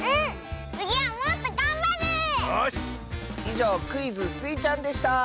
いじょうクイズ「スイちゃん」でした！